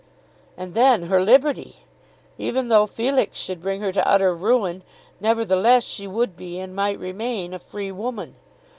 And then her liberty! Even though Felix should bring her to utter ruin, nevertheless she would be and might remain a free woman.